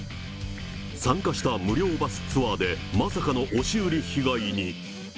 参加した無料バスツアーで、まさかの押し売り被害に。